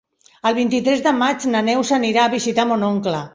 El vint-i-tres de maig na Neus anirà a visitar mon oncle.